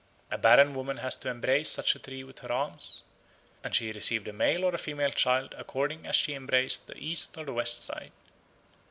A barren woman had to embrace such a tree with her arms, and she received a male or a female child according as she embraced the east or the west side."